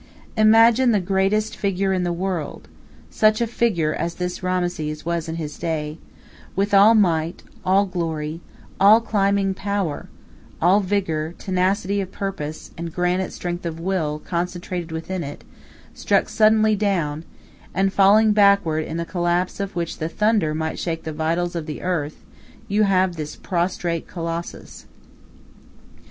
Imagine the greatest figure in the world such a figure as this Rameses was in his day with all might, all glory, all climbing power, all vigor, tenacity of purpose, and granite strength of will concentrated within it, struck suddenly down, and falling backward in a collapse of which the thunder might shake the vitals of the earth, and you have this prostrate colossus.